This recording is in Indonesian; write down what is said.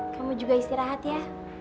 kamu juga istirahat ya